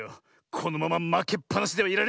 このまままけっぱなしではいられない。